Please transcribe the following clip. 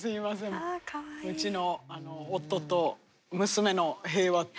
うちの夫と娘の平和と。